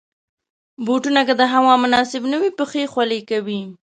بوټونه که د هوا مناسب نه وي، پښې خولې کوي.